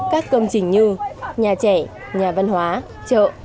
các công trình như nhà trẻ nhà văn hóa chợ